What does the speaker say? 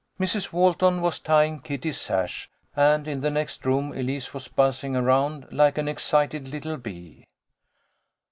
Mrs. Walton was tying Kitty's sash, and in the next room Elise was buzzing around like an excited little bee.